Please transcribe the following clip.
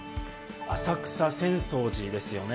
浅草・浅草寺ですよね。